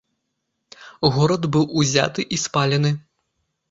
Горад быў узяты і спалены.